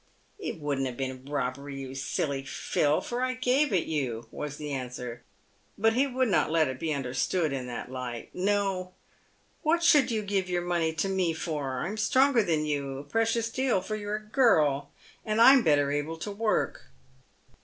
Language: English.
"It wouldn't have been robbery, you silly Phil, for I gave it you," was the answer. But he would not let it be understood in that light. " No ! what 208 PAVED WITH GOLD. should you give your money to me for ? I'm stronger than you a precious deal, for you're a girl, and I'm better able to work.